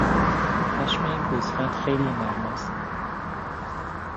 پشم این گوسفند خیلی نرم است.